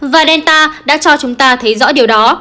và delta đã cho chúng ta thấy rõ điều đó